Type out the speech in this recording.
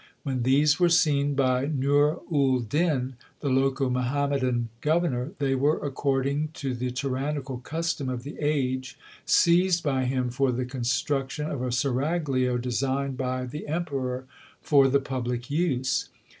When these were seen by Nur ul Din, the local Muhammadan governor, they were, accord ing to the tyrannical custom of the age, seized by him for the construction of a seraglio designed by the Emperor for the public use.